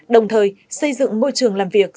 đồng thời xây dựng môi trường làm việc